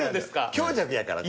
強弱やからこれ。